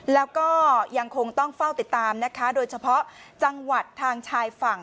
แล้วก็ยังคงต้องเฝ้าติดตามนะคะโดยเฉพาะจังหวัดทางชายฝั่ง